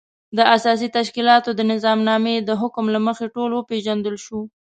د اساسي تشکیلاتو د نظامنامې د حکم له مخې ټولنه وپېژندل شوه.